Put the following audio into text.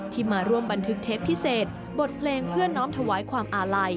มาร่วมบันทึกเทปพิเศษบทเพลงเพื่อน้อมถวายความอาลัย